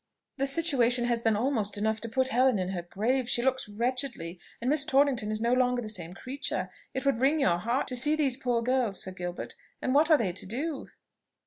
"The situation has been almost enough to put Helen in her grave; she looks wretchedly; and Miss Torrington is no longer the same creature. It would wring your heart to see these poor girls, Sir Gilbert; and what are they to do?"